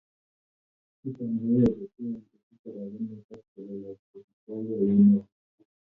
Nito koyoei chetuen kosich orogenet ak che lelach kosich boiboiyet neo